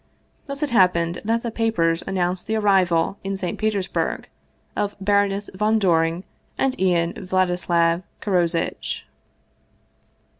Thus it happened that the papers an nounced the arrival in St. Petersburg of Baroness von Doring and Ian Vladislav Karozitch.